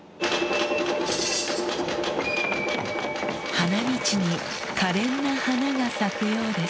花道に可憐な花が咲くようです